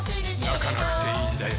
なかなくていいんだよ